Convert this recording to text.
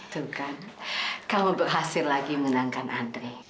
tuh kan kamu berhasil lagi menangkan andre